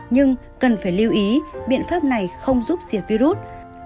nhưng cần phải lưu ý biện pháp này không giúp diệt virus